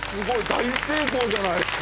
大成功じゃないですか。